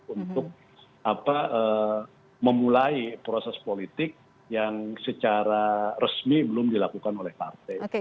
untuk memulai proses politik yang secara resmi belum dilakukan oleh partai